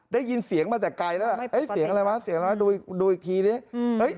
ได้ยินเสียงมาแต่ไกลแล้วล่ะเอ้ยเสียงอะไรวะเสียงอะไรดูอีกทีดิ